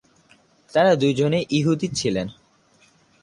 তারা দুজনেই ইহুদি ছিলেন।